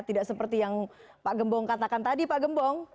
tidak seperti yang pak gembong katakan tadi pak gembong